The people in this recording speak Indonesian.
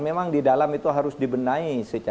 memang di dalam itu harus dibenahi